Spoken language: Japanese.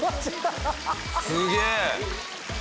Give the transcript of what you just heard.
すげえ！